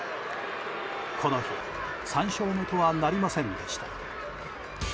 この日、３勝目とはなりませんでした。